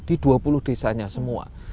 di dua puluh desanya semua